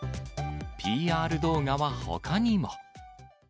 ＰＲ動画はほかにも。